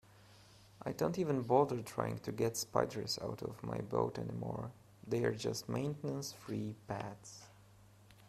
I don't even bother trying to get spiders out of my boat anymore, they're just maintenance-free pets.